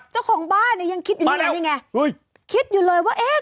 เจ้าของบ้านเนี้ยยังคิดมาแล้วนี่ไงอุ้ยคิดอยู่เลยว่าเอ๊ะ